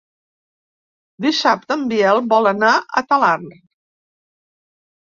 Dissabte en Biel vol anar a Talarn.